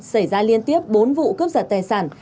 xảy ra liên tiếp bốn vụ cướp giật tài sản